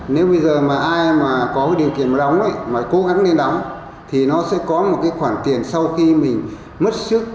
nếu bây giờ mà ai mà có điều kiện đóng ấy mà cố gắng nên đóng thì nó sẽ có một cái khoản tiền sau khi mình mất sức